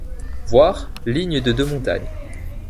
Voir: Ligne de Deux-Montagnes.